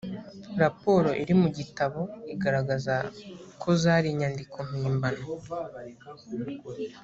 raporo iri mu gitabo igaragaza ko zari inyandiko mpimbano